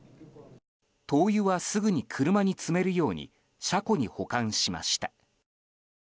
灯油はすぐに車に積めるように車庫に保管しました。